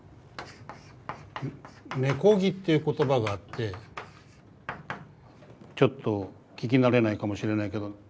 「根こぎ」っていう言葉があってちょっと聞き慣れないかもしれないけど。